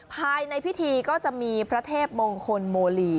ภายในพิธีก็จะมีพระเทพมงคลโมลี